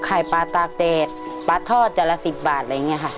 ไข่ป้าตากแตดป้าทอดแต่ละ๑๐บาทเลยอย่างนี้ค่ะ